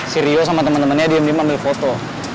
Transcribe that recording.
si rio sama temen temennya diem diem ambil foto